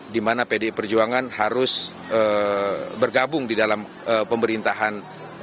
di mana pdi perjuangan harus bergabung di dalam pemerintahan